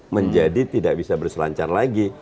menjadi tidak bisa berselancar lagi